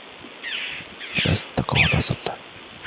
فَلَا صَدَّقَ وَلَا صَلَّى